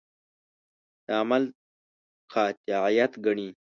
د عمل قاطعیت ګڼي.